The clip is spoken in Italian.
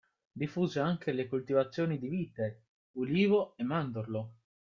Diffuse anche le coltivazioni di vite, ulivo e mandorlo.